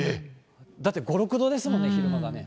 だって５、６度ですもんね、昼間がね。